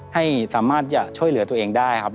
ให้สามารถจะช่วยเหลือตัวเองได้ครับ